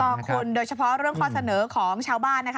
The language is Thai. ถูกต้องคุณโดยเฉพาะเรื่องข้อเสนอของชาวบ้าน